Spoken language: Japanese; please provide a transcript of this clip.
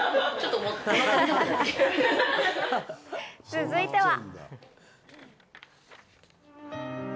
続いては。